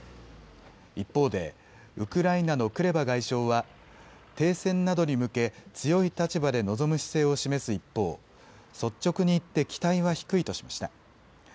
一方でウクライナのクレバ外相は停戦などに向け強い立場で臨む姿勢を示す一方、率直に言って期待は低いとしました。